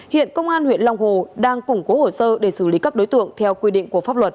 hiện công an huyện long hồ đang củng cố hồ sơ để xử lý các đối tượng theo quy định của pháp luật